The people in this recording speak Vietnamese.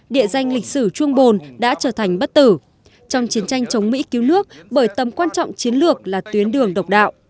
địa danh lịch sử chuông bồn đã trở thành bất tử trong chiến tranh chống mỹ cứu nước bởi tầm quan trọng chiến lược là tuyến đường độc đạo